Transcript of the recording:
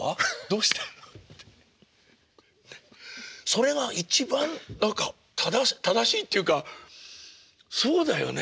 それが一番何か正しいって言うかそうだよね。